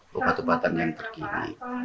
keupatan keupatan yang terkini